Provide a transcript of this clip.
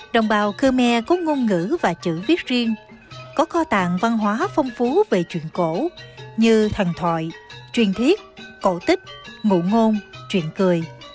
đồng bào khmer có ngôn ngữ và chữ viết riêng có kho tàng văn hóa phong phú về chuyện cổ như thần thoại truyền thiết cổ tích ngụ ngôn truyện cười